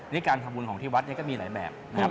นี่การทำบุญของที่วัดเนี่ยก็มีหลายแบบนะครับ